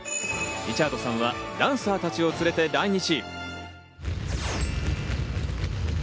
リチャードさんはダンサーたちを連れて来日。